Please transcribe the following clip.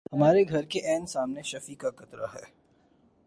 ہمارے گھر کے عین سامنے شفیع کا کٹڑہ ہے۔